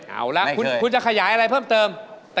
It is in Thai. เอาละคุณจะขยายอะไรเพิ่มเติม